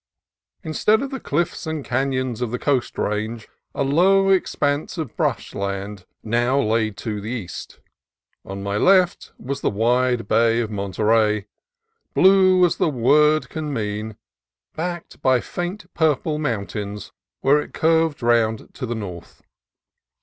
Instead of the cliffs and canons of the Coast Range, a low expanse of brush land now lay to the east. On my left was the wide bay of Monterey, blue as the word can mean, backed by faint purple mountains where it curved round to the north.